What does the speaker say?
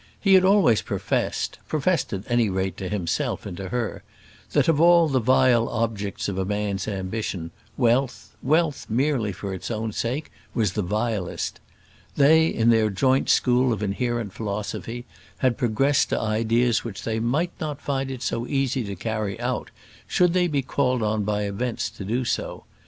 He had always professed professed at any rate to himself and to her that of all the vile objects of a man's ambition, wealth, wealth merely for its own sake, was the vilest. They, in their joint school of inherent philosophy, had progressed to ideas which they might find it not easy to carry out, should they be called on by events to do so.